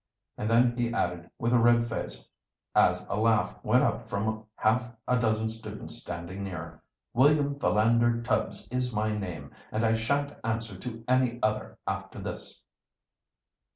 And then he added, with a red face, as a laugh went up from half a dozen students standing near: "William Philander Tubbs is my name, and I shan't answer to any other after this."